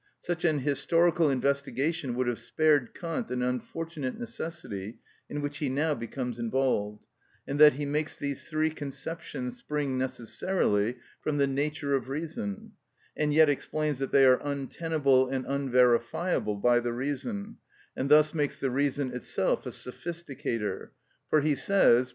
Such an historical investigation would have spared Kant an unfortunate necessity in which he now becomes involved, in that he makes these three conceptions spring necessarily from the nature of reason, and yet explains that they are untenable and unverifiable by the reason, and thus makes the reason itself a sophisticator; for he says, p.